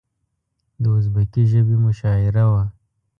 د ازبکي ژبې مشاعره وه.